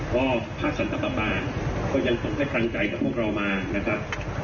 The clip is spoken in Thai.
เพราะภาคสันตะปะปาก็ยังส่งให้คลังใจกับพวกเรามานะครับ